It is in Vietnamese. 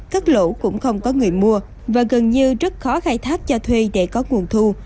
cắt lỗ cũng không có người mua và gần như rất khó khai thác cho thuê để có nguồn thu